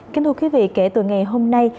kính thưa quý vị kể từ ngày hôm nay